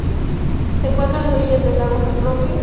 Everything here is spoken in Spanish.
Se encuentra a orillas del Lago San Roque.